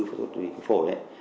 phẫu thuật về phổi